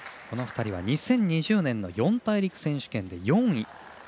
この２人は２０２０年の四大陸選手権で４位。